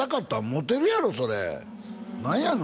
モテるやろそれ何やの？